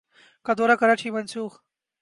کا دورہ کراچی منسوخ